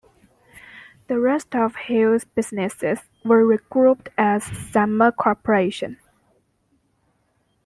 The rest of Hughes' businesses were regrouped as Summa Corporation.